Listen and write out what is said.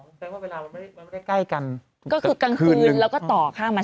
น่าจะเรียกว่าเวลามันไม่ไม่ได้ใกล้กันก็คือกลางคืนแล้วก็ต่อข้างมา